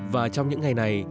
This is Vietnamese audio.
và trong những ngày này